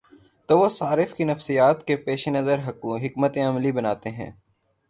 تو وہ صارف کی نفسیات کے پیش نظر حکمت عملی بناتے ہیں۔